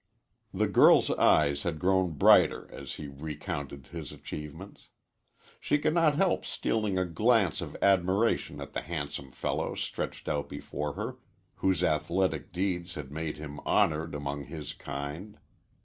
The girl's eyes had grown brighter as he recounted his achievements. She could not help stealing a glance of admiration at the handsome fellow stretched out before her, whose athletic deeds had made him honored among his kind.